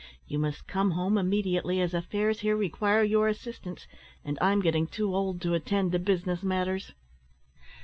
You must come home immediately, as affairs here require your assistance, and I'm getting too old to attend to business matters.